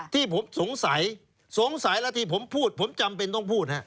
ที่ผมสงสัยสงสัยแล้วที่ผมพูดผมจำเป็นต้องพูด